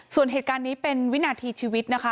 ส่วนเหตุการณ์นี้เป็นวินาทีชีวิตนะคะ